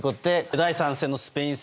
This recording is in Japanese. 第３戦のスペイン戦